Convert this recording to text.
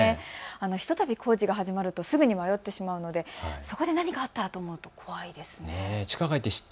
ひとたび工事が始まるとすぐに迷ってしまうのでそこで何かあったらと思うと怖いですね。